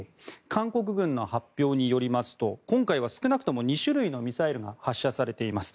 韓国軍の発表によりますと今回は少なくとも２種類のミサイルが発射されています。